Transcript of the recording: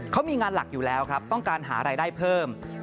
เขามีงานหลักอยู่แล้วครับต้องการหารายได้เพิ่ม